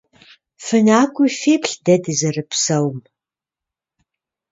ФынакӀуи феплъ дэ дызэрыпсэум.